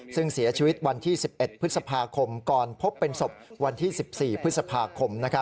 ซึ่งเสียชีวิตวันที่๑๑พฤษภาคมก่อนพบเป็นศพวันที่๑๔พฤษภาคม